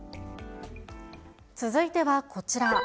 続いてはこちら。